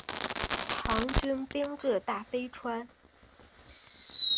唐军兵至大非川。